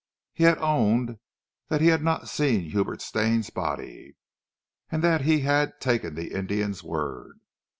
He had owned that he had not seen Hubert Stane's body, and that he had taken the Indian's word.